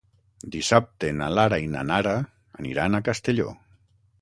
Dissabte na Lara i na Nara aniran a Castelló.